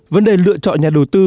vấn đề lựa chọn nhà đầu tư